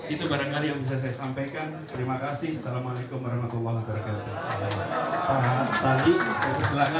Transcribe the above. itu pada kali yang bisa saya sampaikan terima kasih salamualaikum warahmatullah wabarakatuh